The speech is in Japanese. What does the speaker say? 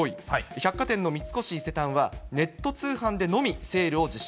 百貨店の三越伊勢丹はネット通販でのみセールを実施。